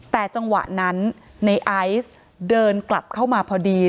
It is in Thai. แต่จังหวะนั้นในไอซ์เดินกลับเข้ามาพอดี